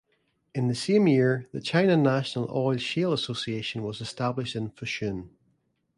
In the same year, the China National Oil Shale Association was established in Fushun.